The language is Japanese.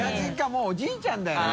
もうおじいちゃんだよね。